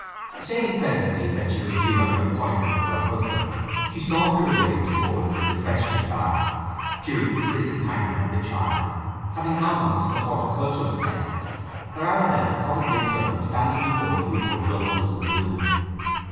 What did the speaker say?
Saying presently that she was due at an appointment with her husband, she sauntered away towards the refreshment bar, Jude, his companion, and the child having gone on to the horticultural tent, where Arabella caught a glimpse of them standing before a group of roses in bloom.